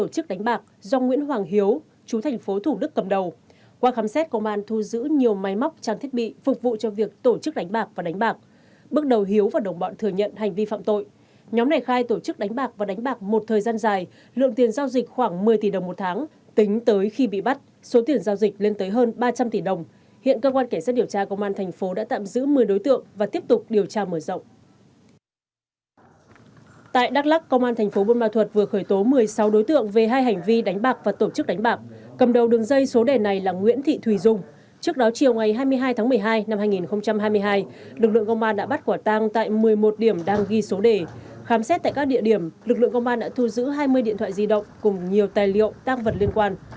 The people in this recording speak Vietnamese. các địa điểm lực lượng công an đã thu giữ hai mươi điện thoại di động cùng nhiều tài liệu tác vật liên quan